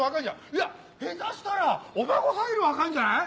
いや下手したらお孫さんより若いんじゃない？